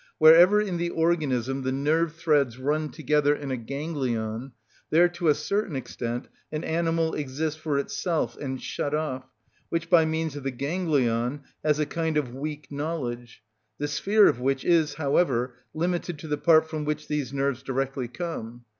Wherever in the organism the nerve threads run together in a ganglion, there, to a certain extent, an animal exists for itself and shut off, which by means of the ganglion has a kind of weak knowledge, the sphere of which is, however, limited to the part from which these nerves directly come.